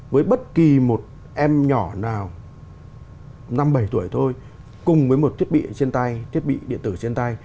với bất kỳ một em nhỏ nào năm bảy tuổi thôi cùng với một thiết bị trên tay thiết bị điện tử trên tay